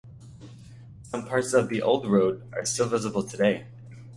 Some parts of the old road are still visible today.